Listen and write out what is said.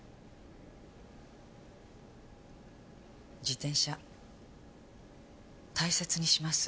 自転車大切にします。